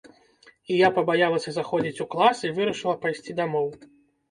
І я пабаялася заходзіць у клас, і вырашыла пайсці дамоў.